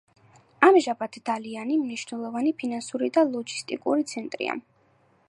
ამჟამად დალიანი მნიშვნელოვანი ფინანსური და ლოჯისტიკური ცენტრია.